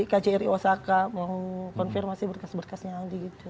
kjri osaka mau konfirmasi berkes berkesnya aldi